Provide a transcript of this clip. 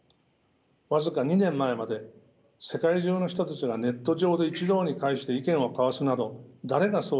僅か２年前まで世界中の人たちがネット上で一堂に会して意見を交わすなど誰が想像したことでしょう。